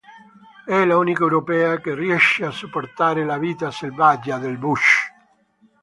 È l'unica europea che riesce a sopportare la vita selvaggia del bush.